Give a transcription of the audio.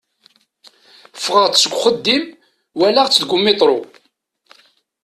Ffɣeɣ-d seg uxeddim walaɣ-tt deg umitṛu.